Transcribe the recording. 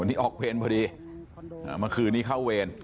วันนี่ออกเวนพอดีมาคืนนี่เข้าเวน